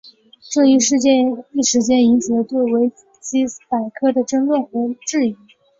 这一事件一时间引起了对维基百科的争论和质疑。